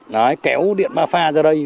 nói kéo điện ba pha ra đây